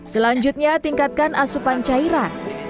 selanjutnya tingkatkan asupan cairan